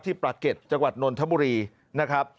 ปราเก็ตจังหวัดนนทบุรีนะครับ